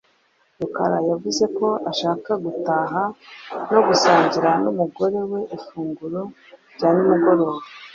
Rukara yavuze ko ashaka gutaha no gusangira n'umugore we ifunguro rya nimugoroba.